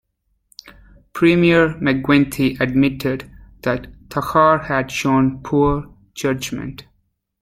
Premier McGuinty admitted that Takhar had shown poor judgement.